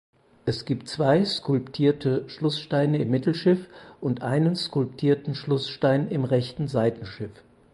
Es gibt zwei skulptierte Schlusssteine im Mittelschiff und einen skulptierten Schlussstein im rechten Seitenschiff.